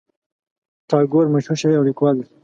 ټاګور مشهور شاعر او لیکوال دی.